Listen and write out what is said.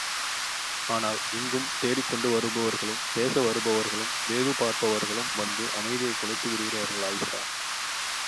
ஆனால் இங்கும் தேடிக்கொண்டு வருபவர்களும், பேச வருபவர்களும், வேவு பார்ப்பவர்களும் வந்து அமைதியைக் குலைத்து விடுகிறார்கள் ஆயீஷா!